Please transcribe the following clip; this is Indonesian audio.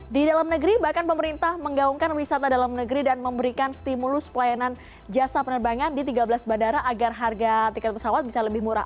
di dalam negeri bahkan pemerintah menggaungkan wisata dalam negeri dan memberikan stimulus pelayanan jasa penerbangan di tiga belas bandara agar harga tiket pesawat bisa lebih murah